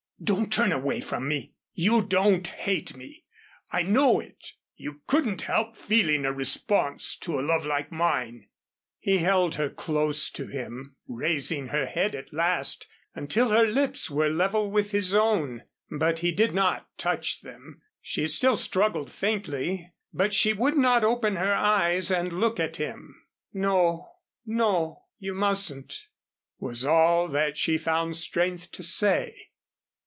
Don't turn away from me. You don't hate me. I know it. You couldn't help feeling a response to a love like mine." He held her close to him, raising her head at last until her lips were level with his own. But he did not touch them. She still struggled faintly, but she would not open her eyes and look at him. "No, no, you mustn't," was all that she found strength to say.